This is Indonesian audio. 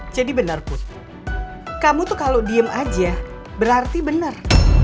jadi bener put kamu tuh kalau diem aja berarti bener